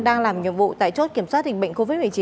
đang làm nhiệm vụ tại chốt kiểm soát dịch bệnh covid một mươi chín